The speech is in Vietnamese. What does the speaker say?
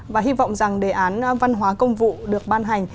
và hy vọng rằng đề án văn hóa công vụ được ban hành